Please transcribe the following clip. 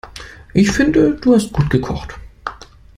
Ich finde, du hast gut gekocht.